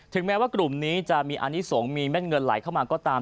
แม้ว่ากลุ่มนี้จะมีอานิสงฆ์มีแม่นเงินไหลเข้ามาก็ตาม